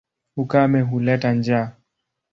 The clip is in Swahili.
Ukame huleta njaa.